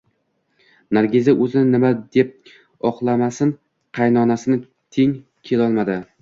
Nargiza o`zini nima deb oqlamasin, qaynonasini teng kelolmadi